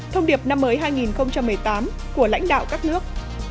thông điệp năm mới hai nghìn một mươi tám của lãnh đạo các nước